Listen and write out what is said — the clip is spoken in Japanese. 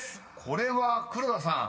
これは黒田さん］